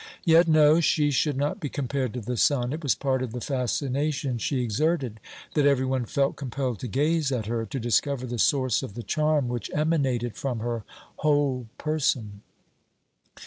Yet, no; she should not be compared to the sun. It was part of the fascination she exerted that every one felt compelled to gaze at her, to discover the source of the charm which emanated from her whole person.